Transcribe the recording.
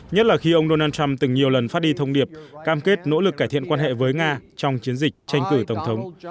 nhất là khi ông donald trump từng nhiều lần phát đi thông điệp cam kết nỗ lực cải thiện quan hệ với nga trong chiến dịch tranh cử tổng thống